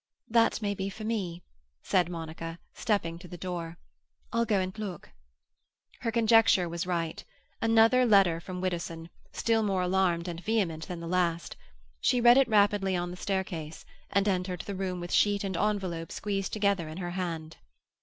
"That may be for me," said Monica, stepping to the door. "I'll go and look." Her conjecture was right. Another letter from Widdowson, still more alarmed and vehement than the last. She read it rapidly on the staircase, and entered the room with sheet and envelope squeezed together in her hand.